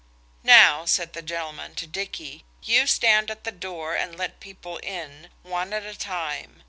"Now," said the gentleman to Dicky, "you stand at the door and let people in, one at a time.